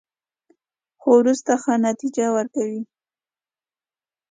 خو وروسته ښه نتیجه ورکوي.